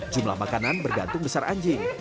jumlah makanan bergantung besar anjing